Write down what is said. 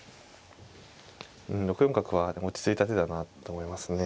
６四角は落ち着いた手だなって思いますね。